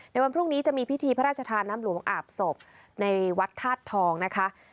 ในวันพรุ่งนี้จะมีพิธีพระราชทานน้ำหลวงอาบศพในวัดธาตุทองนะคะ